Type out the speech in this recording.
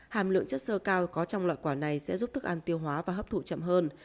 hàm lượng chất sơ cao có trong loại quả này sẽ giúp thức ăn tiêu hóa và hấp thụ chậm hơn